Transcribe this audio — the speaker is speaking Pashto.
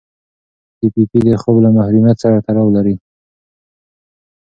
پي پي پي د خوب له محرومیت سره تړاو لري.